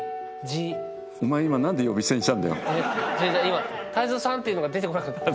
違う違う「泰造さん」っていうのが出てこなかった。